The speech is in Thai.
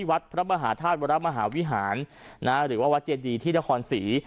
วัดพระมหาธาตุวรมหาวิหารหรือว่าวัดเจดีที่นครศรี